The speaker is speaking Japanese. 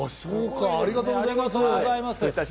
ありがとうございます。